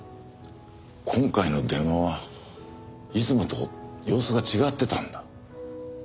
今回の電話はいつもと様子が違ってたんだ。